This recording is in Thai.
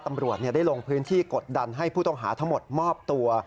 ตำรวจได้ลงพื้นที่กดดันให้ผู้ต้องหาทั้งหมดมอบตัว